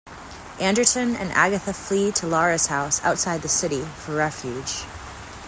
Anderton and Agatha flee to Lara's house outside the city for refuge.